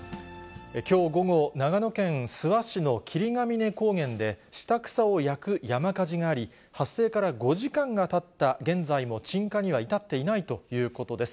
きょう午後、長野県諏訪市の霧ヶ峰高原で、下草を焼く山火事があり、発生から５時間がたった現在も鎮火には至っていないということです。